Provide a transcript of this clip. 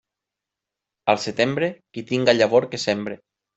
Al setembre, qui tinga llavor que sembre.